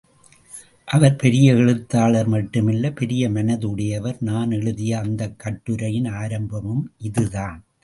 அவர் பெரிய எழுத்தாளர் மட்டுமல்ல, பெரிய மனது உடையவர், நான் எழுதிய அந்தக் கட்டுரையின் ஆரம்பம் இது தான்.